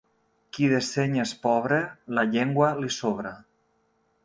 Qui de seny és pobre, la llengua li sobra.